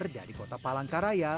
dari kota palangkaraya